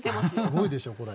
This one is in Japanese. すごいでしょこれ。